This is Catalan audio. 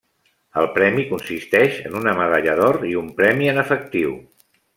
El premi consisteix en una medalla d'or i un premi en efectiu.